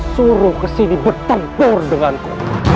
suruh kesini berpenggol denganku